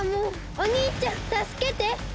おにいちゃんたすけて！